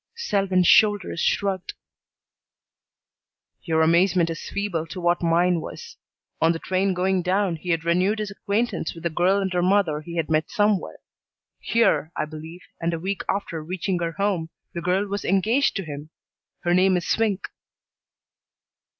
Selwyn's shoulders shrugged. "Your amazement is feeble to what mine was. On the train going down he had renewed his acquaintance with a girl and her mother he had met somewhere; here, I believe, and a week after reaching her home the girl was engaged to him. Her name is Swink."